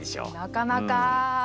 なかなか！